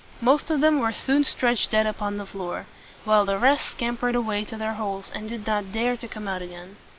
Most of them were soon stretched dead upon the floor, while the rest scam pered away to their holes, and did not dare to come out again.